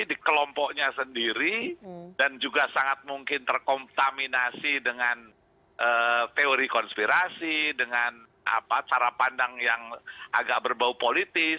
di kelompoknya sendiri dan juga sangat mungkin terkontaminasi dengan teori konspirasi dengan cara pandang yang agak berbau politis